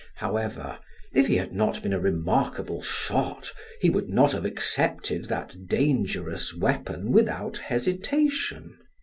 However, if he had not been a remarkable shot, he would not have accepted that dangerous weapon without hesitation.